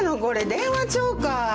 電話帳か。